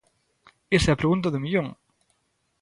Esa é a pregunta do millón!